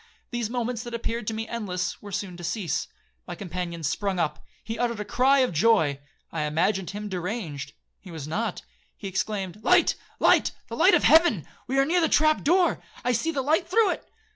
These moments that appeared to me endless, were soon to cease. My companion sprung up,—he uttered a cry of joy. I imagined him deranged,—he was not. He exclaimed, 'Light, light,—the light of heaven; we are near the trap door, I see the light through it.'